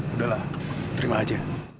udahlah terima aja